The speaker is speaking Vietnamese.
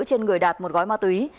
trên người đạt một gói ma túy